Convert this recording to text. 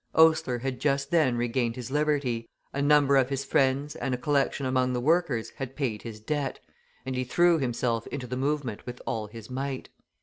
Oastler had just then regained his liberty; a number of his friends and a collection among the workers had paid his debt, and he threw himself into the movement with all his might.